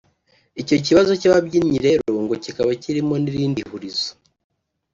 Icyo kibazo cy’ababyinnyi rero cyo kikaba kirimo n’irindi hurizo